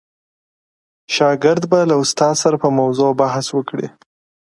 شاګرد به له استاد سره په موضوع بحث وکړي.